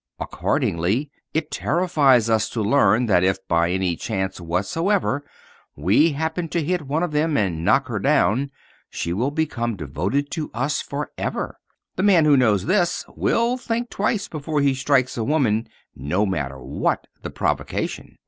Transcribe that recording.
Accordingly, it terrifies us to learn that if by any chance whatsoever we happen to hit one of them and knock her down she will become devoted to us forever. The man who knows this will think twice before he strikes a woman no matter what the provocation.